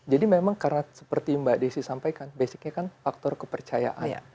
jadi memang karena seperti mbak desi sampaikan basicnya kan faktor kepercayaan